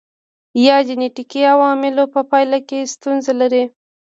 یا د جنېټیکي عواملو په پایله کې ستونزه لري.